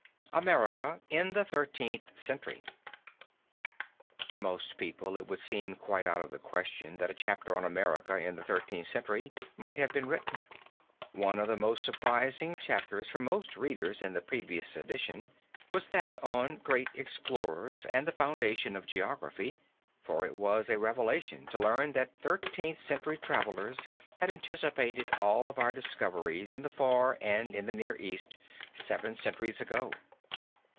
AMERICA IN THE THIRTEENTH CENTURY. To most people it would seem quite out of the question that a chapter on America in the Thirteenth Century might have been written. One of the most surprising chapters for most readers in the previous edition was that on Great Explorers and the Foundation of Geography, for it was a revelation to learn that Thirteenth Century travelers had anticipated all of our discoveries in the Far and in the Near East seven centuries ago.